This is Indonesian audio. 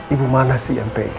ibu mana sih yang pengen